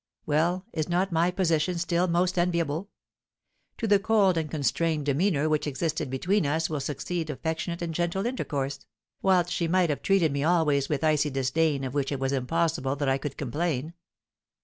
Well, is not my position still most enviable? To the cold and constrained demeanour which existed between us will succeed affectionate and gentle intercourse, whilst she might have treated me always with icy disdain of which it was impossible that I could complain.